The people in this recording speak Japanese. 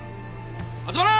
集まれ！